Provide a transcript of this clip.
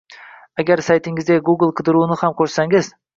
Agar saytingizga Google qidiruvini ham qo’shsangiz